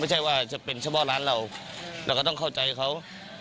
ไม่ใช่ว่าจะเป็นเฉพาะร้านเราเราก็ต้องเข้าใจเขา